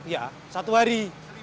ya satu hari